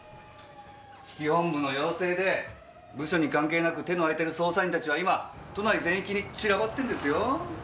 指揮本部の要請で部署に関係なく手の空いてる捜査員たちは今都内全域に散らばってんですよ？